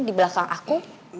di belakang aku